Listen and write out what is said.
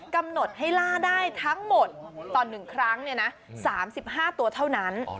กำหนดให้ล่าได้ทั้งหมดต่อ๑ครั้ง๓๕ตัวเท่านั้น